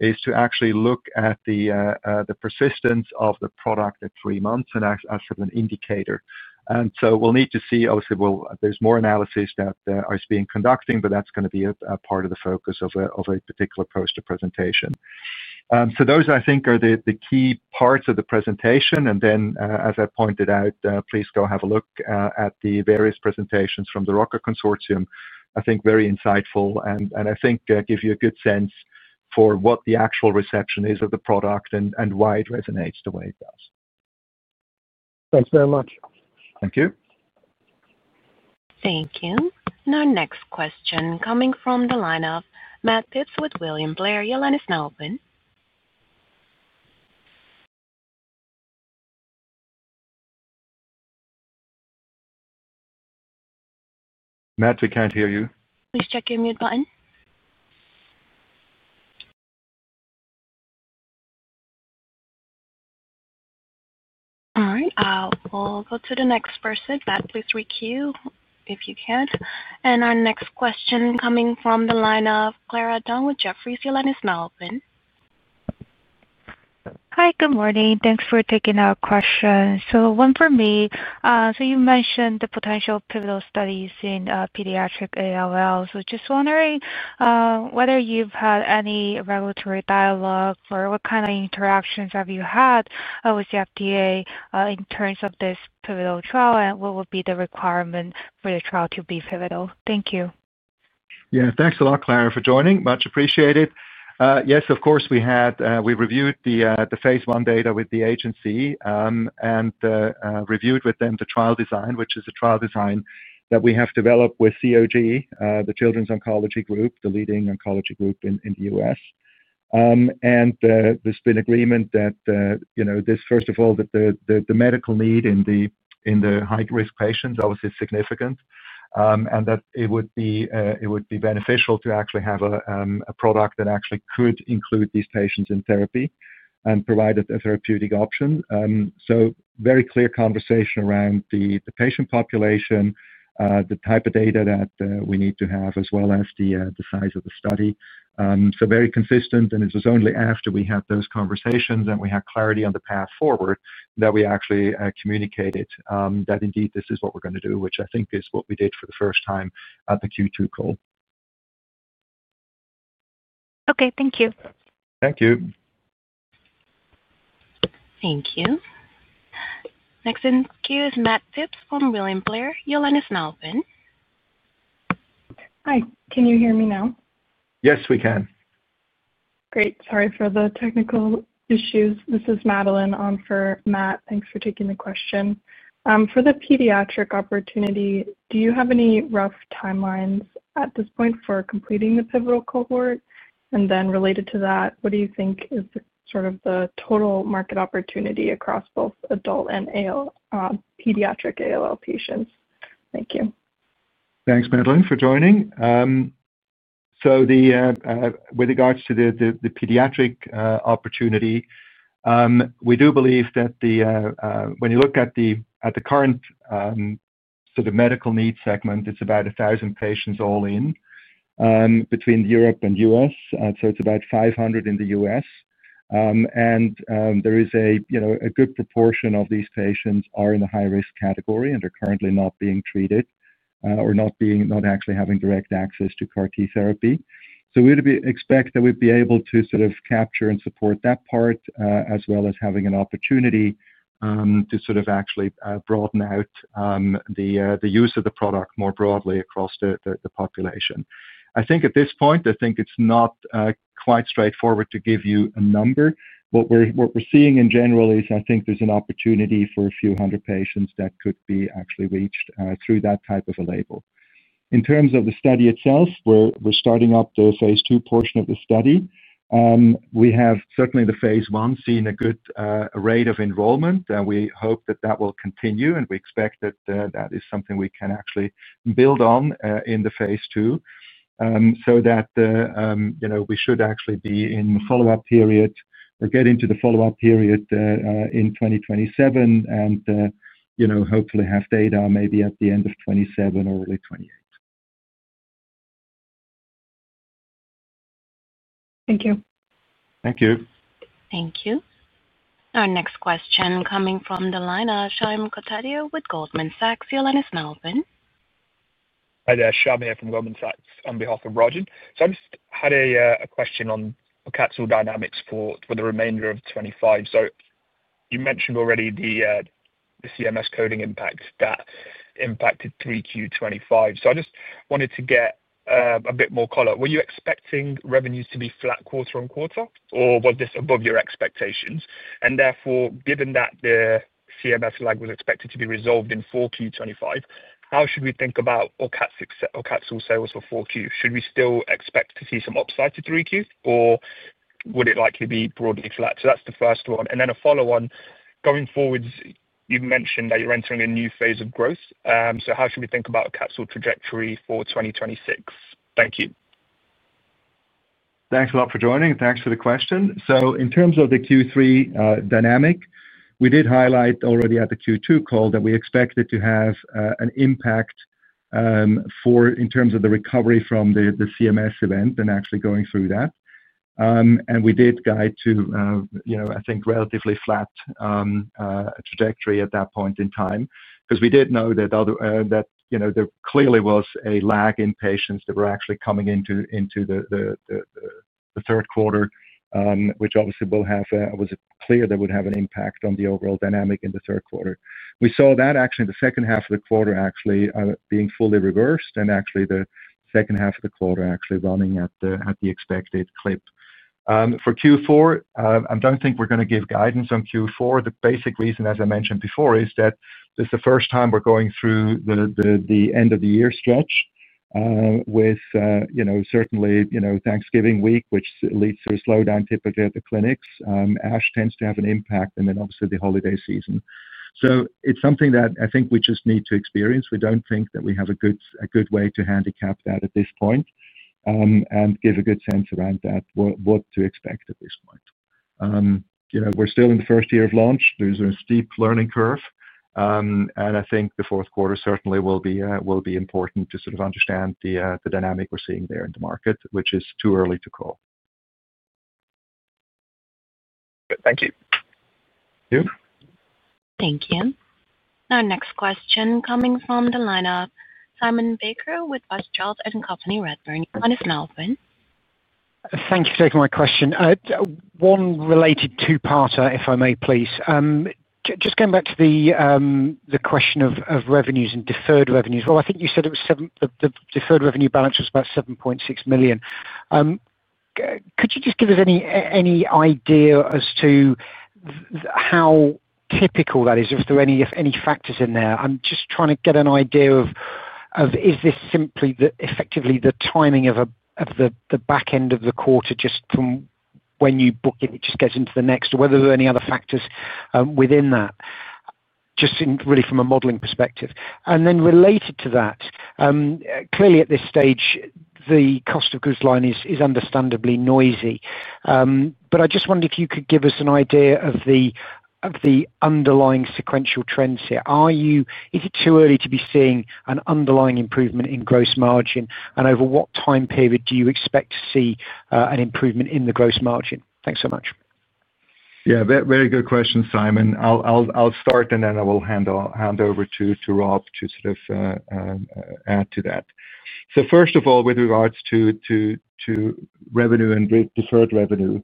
is to actually look at the persistence of the product at three months and ask for an indicator. And so we'll need to see, obviously, there's more analysis that is being conducting, but that's going to be a part of the focus of a particular poster presentation. So those, I think, are the key parts of the presentation. And then, as I pointed out, please go have a look at the various presentations from the ROCCA Consortium. I think very insightful and, I think, give you a good sense for what the actual reception is of the product and why it resonates the way it does. Thanks very much. Thank you. Thank you. Now, next question coming from the lineup, Matt Phipps with William Blair, your line is now open. Matt, we can't hear you. Please check your mute button. All right. We'll go to the next person. Matt, please re-queue if you can. And our next question coming from the lineup, Clara Dong with Jefferies, your line is now open. Hi. Good morning. Thanks for taking our question. So one for me, so you mentioned the potential pivotal studies in pediatric ALL. So just wondering whether you've had any regulatory dialogue or what kind of interactions have you had with the FDA in terms of this pivotal trial and what would be the requirement for the trial to be pivotal. Thank you. Yeah. Thanks a lot, Clara, for joining. Much appreciated. Yes, of course, we reviewed the phase I data with the agency and reviewed with them the trial design, which is a trial design that we have developed with COG, the Children's Oncology Group, the leading oncology group in the U.S. There has been agreement that, first of all, the medical need in the high-risk patients, obviously, is significant and that it would be beneficial to actually have a product that actually could include these patients in therapy and provide a therapeutic option. Very clear conversation around the patient population, the type of data that we need to have, as well as the size of the study. Very consistent. And it was only after we had those conversations and we had clarity on the path forward that we actually communicated that, indeed, this is what we're going to do, which I think is what we did for the first time at the Q2 call. Okay. Thank you. Thank you. Thank you. Next in queue is Matt Phipps from William Blair, your line is now open. Hi. Can you hear me now? Yes, we can. Great. Sorry for the technical issues. This is Madeline on for Matt. Thanks for taking the question. For the pediatric opportunity, do you have any rough timelines at this point for completing the pivotal cohort? And then related to that, what do you think is sort of the total market opportunity across both adult and pediatric ALL patients? Thank you. Thanks, Madeline, for joining. So with regards to the pediatric opportunity, we do believe that when you look at the current sort of medical need segment, it's about 1,000 patients all in between Europe and U.S. So it's about 500 in the U.S. And there is a good proportion of these patients are in the high-risk category and are currently not being treated or not actually having direct access to CAR-T therapy. So we would expect that we'd be able to sort of capture and support that part as well as having an opportunity to sort of actually broaden out the use of the product more broadly across the population. I think at this point, I think it's not quite straightforward to give you a number. What we're seeing in general is I think there's an opportunity for a few hundred patients that could be actually reached through that type of a label. In terms of the study itself, we're starting up the phase II portion of the study. We have certainly the phase I seen a good rate of enrollment. We hope that that will continue, and we expect that that is something we can actually build on in the phase II so that we should actually be in the follow-up period or get into the follow-up period in 2027 and hopefully have data maybe at the end of 2027 or early 2028. Thank you. Thank you. Thank you. Now, next question coming from the lineup, Shyam Kotadia with Goldman Sachs, your line is now open. Hi, there. Shyam here from Goldman Sachs on behalf of [Robin]. So I just had a question on per capsule dynamics for the remainder of 2025. So you mentioned already the CMS coding impact that impacted 3Q 2025. So I just wanted to get a bit more color. Were you expecting revenues to be flat quarter on quarter, or was this above your expectations? And therefore, given that the CMS lag was expected to be resolved in 4Q 2025, how should we think about or capsule sales for 4Q? Should we still expect to see some upside to 3Q, or would it likely be broadly flat? So that's the first one. And then a follow-on going forwards, you've mentioned that you're entering a new phase of growth. So how should we think about capsule trajectory for 2026? Thank you. Thanks a lot for joining. Thanks for the question. In terms of the Q3 dynamic, we did highlight already at the Q2 call that we expected to have an impact in terms of the recovery from the CMS event and actually going through that. We did guide to, I think, relatively flat trajectory at that point in time because we did know that there clearly was a lag in patients that were actually coming into the third quarter, which obviously was clear that would have an impact on the overall dynamic in the third quarter. We saw that actually in the second half of the quarter actually being fully reversed and actually the second half of the quarter running at the expected clip. For Q4, I don't think we're going to give guidance on Q4. The basic reason, as I mentioned before, is that this is the first time we're going through the end-of-the-year stretch with certainly Thanksgiving week, which leads to a slowdown typically at the clinics. ASH tends to have an impact, and then obviously the holiday season. So it's something that I think we just need to experience. We don't think that we have a good way to handicap that at this point and give a good sense around that, what to expect at this point. We're still in the first year of launch. There's a steep learning curve. And I think the fourth quarter certainly will be important to sort of understand the dynamic we're seeing there in the market, which is too early to call. Perfect. Thank you. Thank you. Thank you. Now, next question coming from the lineup, Simon Baker with Rothschild & Company Redburn, Hugh, Atlantis Melbourne. Thank you for taking my question. One related two-parter, if I may, please. Just going back to the question of revenues and deferred revenues. Well, I think you said the deferred revenue balance was about 7.6 million. Could you just give us any idea as to how typical that is, if there are any factors in there? I'm just trying to get an idea of is this simply effectively the timing of the back end of the quarter just from when you book it, it just gets into the next, or whether there are any other factors within that, just really from a modeling perspective. And then related to that, clearly at this stage, the cost of goods line is understandably noisy. But I just wondered if you could give us an idea of the underlying sequential trends here. Is it too early to be seeing an underlying improvement in gross margin, and over what time period do you expect to see an improvement in the gross margin? Thanks so much. Yeah. Very good question, Simon. I'll start, and then I will hand over to Rob to sort of add to that. So first of all, with regards to revenue and deferred revenue,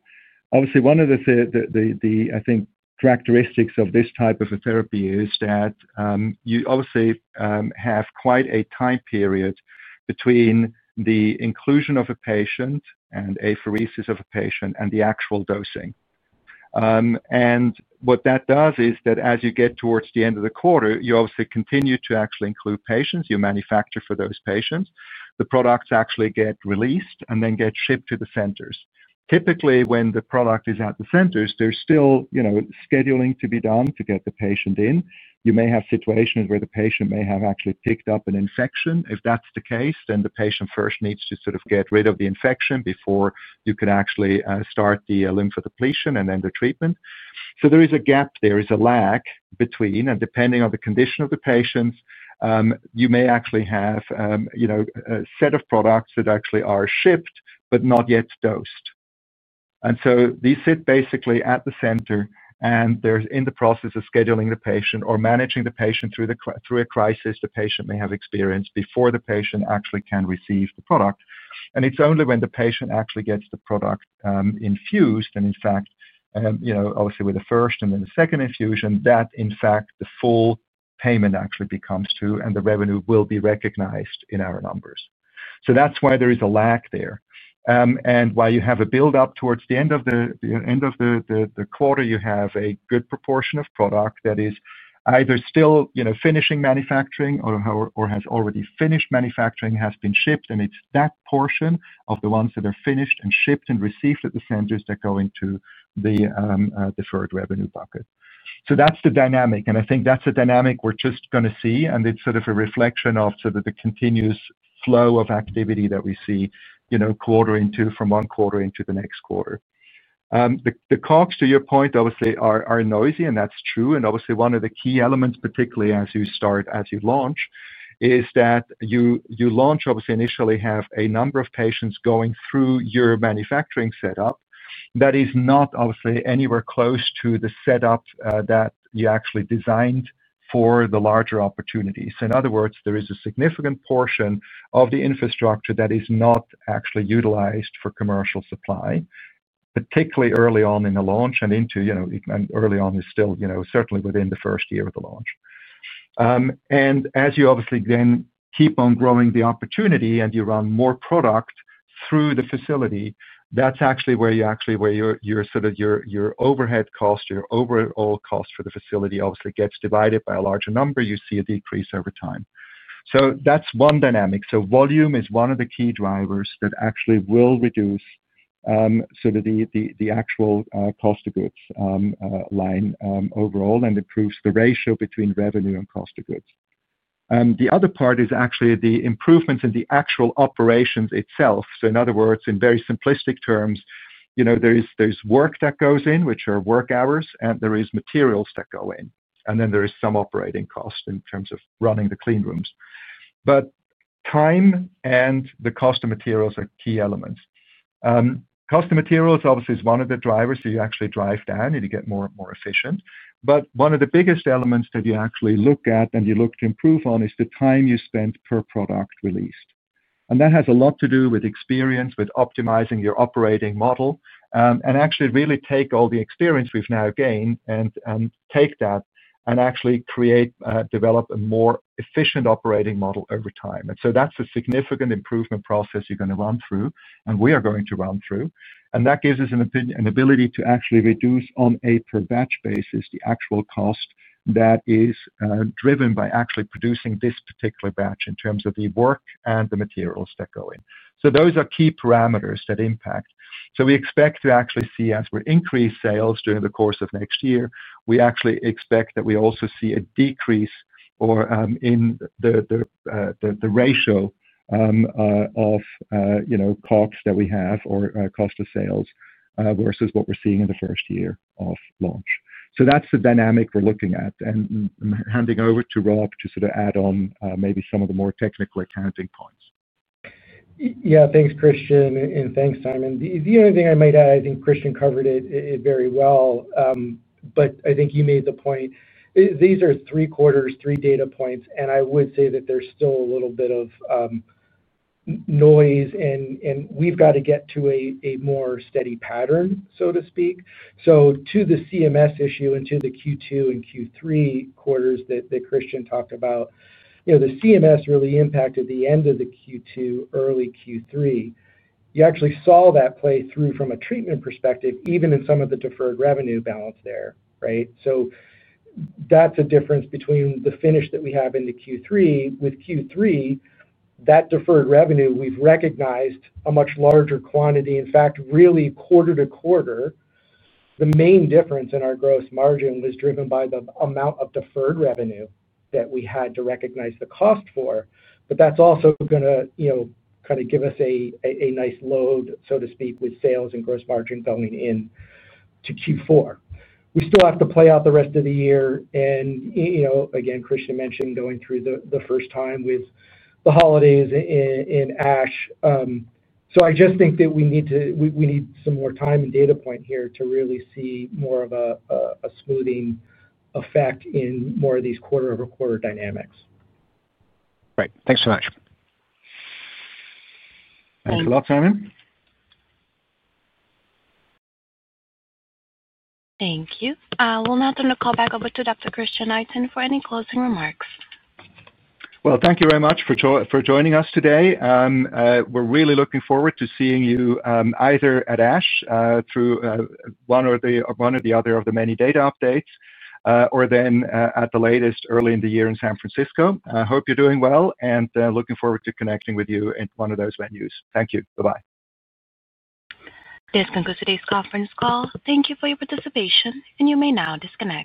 obviously, one of the, I think, characteristics of this type of a therapy is that you obviously have quite a time period between the inclusion of a patient and apheresis of a patient and the actual dosing. And what that does is that as you get towards the end of the quarter, you obviously continue to actually include patients. You manufacture for those patients. The products actually get released and then get shipped to the centers. Typically, when the product is at the centers, there's still scheduling to be done to get the patient in. You may have situations where the patient may have actually picked up an infection. If that's the case, then the patient first needs to sort of get rid of the infection before you can actually start the lymphodepletion and then the treatment. So there is a gap there. There is a lag between. And depending on the condition of the patients, you may actually have a set of products that actually are shipped but not yet dosed. And so these sit basically at the center, and they're in the process of scheduling the patient or managing the patient through a crisis the patient may have experienced before the patient actually can receive the product. And it's only when the patient actually gets the product infused and, in fact, obviously, with the first and then the second infusion that, in fact, the full payment actually becomes due, and the revenue will be recognized in our numbers. So that's why there is a lag there. And while you have a build-up towards the end of the quarter, you have a good proportion of product that is either still finishing manufacturing or has already finished manufacturing, has been shipped, and it's that portion of the ones that are finished and shipped and received at the centers that go into the deferred revenue bucket. So that's the dynamic. And I think that's a dynamic we're just going to see, and it's sort of a reflection of sort of the continuous flow of activity that we see from one quarter into the next quarter. The COGS, to your point, obviously, are noisy, and that's true. And obviously, one of the key elements, particularly as you launch, is that you launch, obviously, initially have a number of patients going through your manufacturing setup that is not, obviously, anywhere close to the setup that you actually designed for the larger opportunity. So in other words, there is a significant portion of the infrastructure that is not actually utilized for commercial supply, particularly early on in the launch and into early on is still certainly within the first year of the launch. And as you obviously then keep on growing the opportunity and you run more product through the facility, that's actually where you actually where your sort of your overhead cost, your overall cost for the facility obviously gets divided by a larger number. You see a decrease over time. So that's one dynamic. So volume is one of the key drivers that actually will reduce sort of the actual cost of goods line overall and improves the ratio between revenue and cost of goods. The other part is actually the improvements in the actual operations itself. So in other words, in very simplistic terms, there's work that goes in, which are work hours, and there is materials that go in. And then there is some operating cost in terms of running the clean rooms. But time and the cost of materials are key elements. Cost of materials obviously is one of the drivers. So you actually drive down and you get more efficient. But one of the biggest elements that you actually look at and you look to improve on is the time you spend per product released. And that has a lot to do with experience with optimizing your operating model and actually really take all the experience we've now gained and take that and actually create, develop a more efficient operating model over time. And so that's a significant improvement process you're going to run through and we are going to run through. And that gives us an ability to actually reduce on a per-batch basis the actual cost that is driven by actually producing this particular batch in terms of the work and the materials that go in. So those are key parameters that impact. So we expect to actually see as we increase sales during the course of next year, we actually expect that we also see a decrease in the ratio of COGS that we have or cost of sales versus what we're seeing in the first year of launch. So that's the dynamic we're looking at. And handing over to Rob to sort of add on maybe some of the more technical accounting points. Yeah. Thanks, Christian. And thanks, Simon. The only thing I might add, I think Christian covered it very well, but I think you made the point. These are three quarters, three data points, and I would say that there's still a little bit of noise, and we've got to get to a more steady pattern, so to speak. So to the CMS issue and to the Q2 and Q3 quarters that Christian talked about, the CMS really impacted the end of the Q2, early Q3. You actually saw that play through from a treatment perspective even in some of the deferred revenue balance there, right? So that's a difference between the finish that we have in the Q3. With Q3, that deferred revenue, we've recognized a much larger quantity. In fact, really quarter to quarter, the main difference in our gross margin was driven by the amount of deferred revenue that we had to recognize the cost for. But that's also going to kind of give us a nice load, so to speak, with sales and gross margin going into Q4. We still have to play out the rest of the year. And again, Christian mentioned going through the first time with the holidays in ASH. So I just think that we need some more time and data point here to really see more of a smoothing effect in more of these quarter-over-quarter dynamics. Great. Thanks so much. Thanks a lot, Simon. Thank you. We'll now turn the call back over to Dr. Christian Itin for any closing remarks. Well, thank you very much for joining us today. We're really looking forward to seeing you either at ASH through one or the other of the many data updates or then at the latest early in the year in San Francisco. I hope you're doing well and looking forward to connecting with you at one of those venues. Thank you. Bye-bye. This concludes today's conference call. Thank you for your participation, and you may now disconnect.